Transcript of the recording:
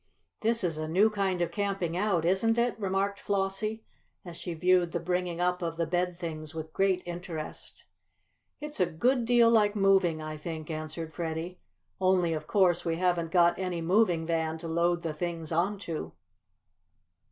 "This is a new kind of camping out, isn't it?" remarked Flossie, as she viewed the bringing up of the bed things with great interest. "It's a good deal like moving, I think," answered Freddie. "Only, of course, we haven't got any moving van to load the things on to."